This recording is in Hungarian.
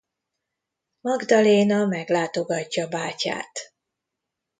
Magdalena meglátogatja bátyát.